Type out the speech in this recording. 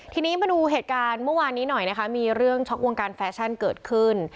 ทีนี้มาดูเหตุการณ์เมื่อวานนี้หน่อยนะคะมีเรื่องช็อกวงการแฟชั่นเกิดขึ้น